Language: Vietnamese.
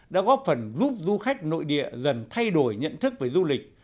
đã góp phần giúp du khách nội địa dần thay đổi nhận thức về du lịch